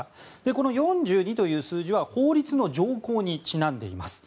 この４２という数字は法律の条項にちなんでいます。